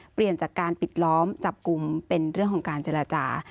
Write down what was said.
เปลี่ยนจากการปิดล้อมจับกลุ่มเป็นเรื่องของการเจรจา